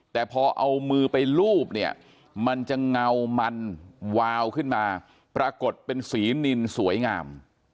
แต่พอเอามือไปลูบเนี่ยมันจะเงามันวาวขึ้นมาปรากฏเป็นสีนินสวยงาม